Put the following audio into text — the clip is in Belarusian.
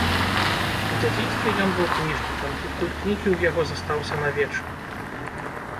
У дзяцінстве ён быў кніжнікам, і культ кнігі ў яго застаўся навечна.